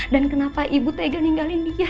dan kenapa ibu tega ninggalin dia